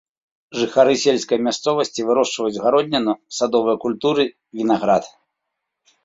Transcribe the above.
Жыхары сельскай мясцовасці вырошчваюць гародніну, садовыя культуры, вінаград.